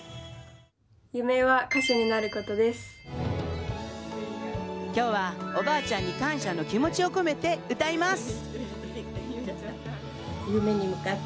夢はきょうは、おばあちゃんに感謝の気持ちを込めて歌います。